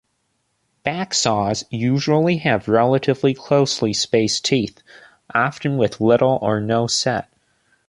Backsaws usually have relatively closely spaced teeth, often with little or no set.